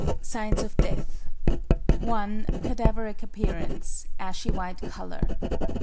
SIGNS OF DEATH (1) Cadaveric appearance; ashy white colour.